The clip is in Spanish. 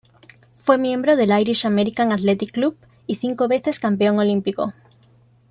Fue miembro del "Irish American Athletic Club" y cinco veces campeón olímpico.